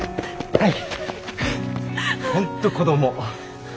はい。